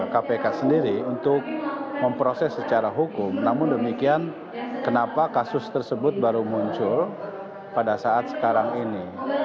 kpk sendiri untuk memproses secara hukum namun demikian kenapa kasus tersebut baru muncul pada saat sekarang ini